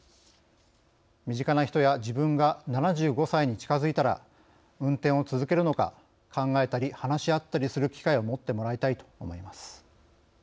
身近な人や自分が７５歳に近づいたら運転を続けるのか考えたり話し合ったりする機会を持ってもらいたいと思います。